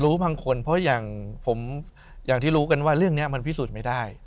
บางคนเพราะอย่างผมอย่างที่รู้กันว่าเรื่องนี้มันพิสูจน์ไม่ได้